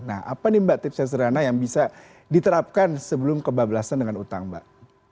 nah apa nih mbak tipsnya sederhana yang bisa diterapkan sebelum kebablasan dengan utang mbak